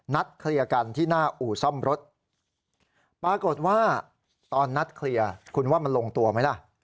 เคลียร์กันที่หน้าอู่ซ่อมรถปรากฏว่าตอนนัดเคลียร์คุณว่ามันลงตัวไหมล่ะ